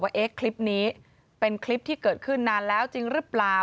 คลิปนี้เป็นคลิปที่เกิดขึ้นนานแล้วจริงหรือเปล่า